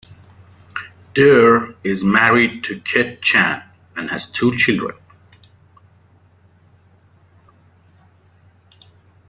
Duerr is married to Kit Chan, and has two children.